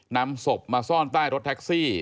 นำศพมาซ่อนใต้รถแท็กซี่